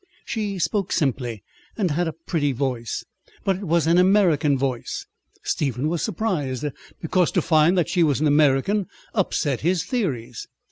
She spoke simply, and had a pretty voice, but it was an American voice. Stephen was surprised, because to find that she was an American upset his theories.